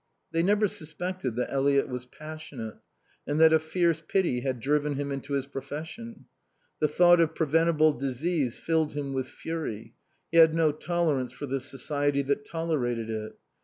They never suspected that Eliot was passionate, and that a fierce pity had driven him into his profession. The thought of preventable disease filled him with fury; he had no tolerance for the society that tolerated it.